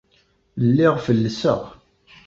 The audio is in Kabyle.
Lliɣ fellseɣ.